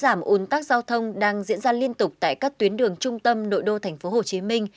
giảm ồn tắc giao thông đang diễn ra liên tục tại các tuyến đường trung tâm nội đô tp hcm